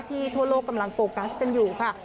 ทั่วโลกกำลังโฟกัสกันอยู่ค่ะ